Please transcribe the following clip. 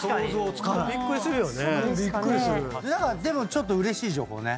ちょっとうれしい情報ね。